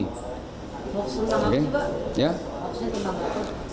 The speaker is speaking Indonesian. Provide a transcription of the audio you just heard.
hoax nya tentang apa